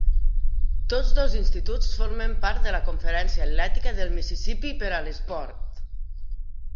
Tots dos instituts formen part de la Conferència Atlètica del Mississipí per a l'esport.